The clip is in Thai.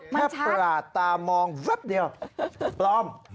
แค่ประหลาดตามองแบบเดียวปลอม